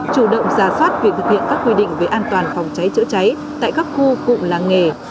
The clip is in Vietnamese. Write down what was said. chủ động ra soát việc thực hiện các quy định về an toàn phòng cháy chữa cháy tại các khu cụm làng nghề